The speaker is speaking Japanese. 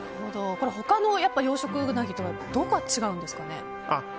他の養殖ウナギとはどこが違うんですかね？